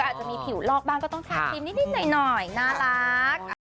อาจจะมีผิวลอกบ้างก็ต้องทาชิมนิดหน่อยน่ารัก